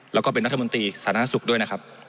แล้วก็เป็นรัฐมนตรีสาธารณสุขด้วยนะครับ